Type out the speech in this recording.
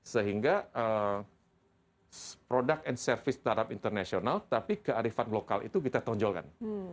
sehingga product and service startup internasional tapi kearifan lokal itu kita tonjolkan